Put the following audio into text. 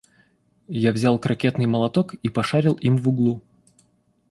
Я взял крокетный молоток и пошарил им в углу.